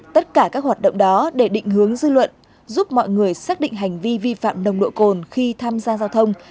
tất cả các hoạt động đó để định hướng dư luận giúp mọi người xác định hành vi vi phạm nồng độ cồn khi tham gia giao thông